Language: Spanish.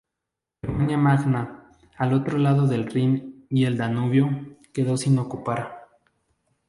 Germania Magna, al otro lado del Rin y el Danubio, quedó sin ocupar.